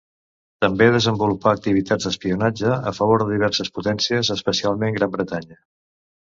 També desenvolupà activitats d'espionatge a favor de diverses potències, especialment Gran Bretanya.